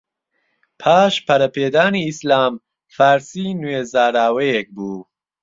پاش پەرەپێدانی ئیسلام، فارسی نوێ زاراوەیەک بوو